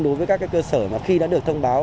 đối với các cơ sở mà khi đã được thông báo